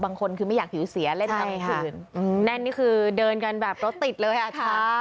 บางคนคือไม่อยากผิวเสียเล่นทางอื่นแน่นนี่คือเดินกันแบบรถติดเลยอ่ะค่ะ